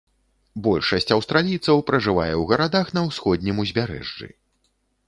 Большасць аўстралійцаў пражывае ў гарадах на ўсходнім узбярэжжы.